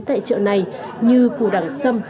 tại chợ này như cụ đẳng sâm